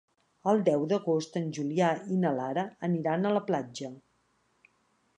El deu d'agost en Julià i na Lara aniran a la platja.